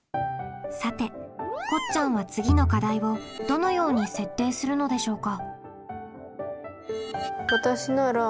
さてこっちゃんは次の課題をどのように設定するのでしょうか？